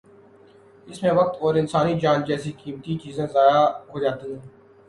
اس میں وقت اور انسانی جان جیسی قیمتی چیزوں ضائع ہو جاتی ہیں۔